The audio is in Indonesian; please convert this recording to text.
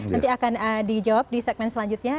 nanti akan dijawab di segmen selanjutnya